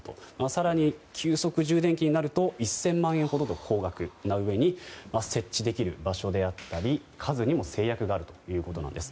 更に急速充電気になると１０００万円ほどと高額なうえに設置できる場所であったり数にも制約があるということなんです。